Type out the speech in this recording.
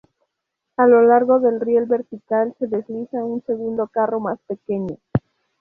A lo largo del riel vertical se desliza un segundo carro más pequeño.